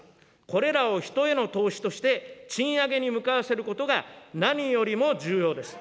これらを人への投資として、賃上げに向かわせることが何よりも重要です。